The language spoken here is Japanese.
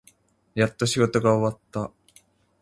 やっと仕事が終わった。